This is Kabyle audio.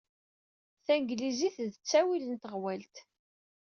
Tanglizit d ttawil n teɣwalt.